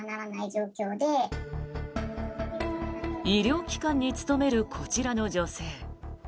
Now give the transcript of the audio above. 医療機関に勤めるこちらの女性。